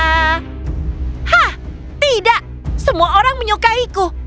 hah tidak semua orang menyukaiku